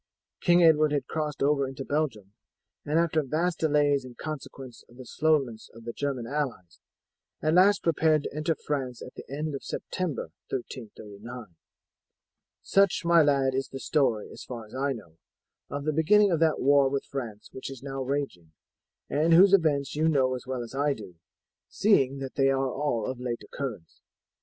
King Edward had crossed over into Belgium, and after vast delays in consequence of the slowness of the German allies, at last prepared to enter France at the end of September, 1339. Such, my lad, is the story, as far as I know, of the beginning of that war with France which is now raging, and whose events you know as well as I do, seeing that they are all of late occurrence.